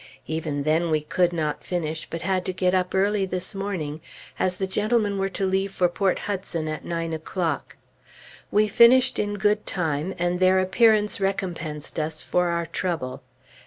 Even then we could not finish, but had to get up early this morning, as the gentlemen were to leave for Port Hudson at nine o'clock. We finished in good time, and their appearance recompensed us for our trouble.